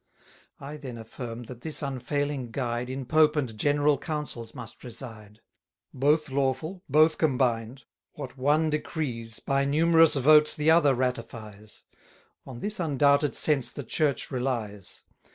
I then affirm that this unfailing guide 80 In Pope and General Councils must reside; Both lawful, both combined: what one decrees By numerous votes, the other ratifies: On this undoubted sense the Church relies.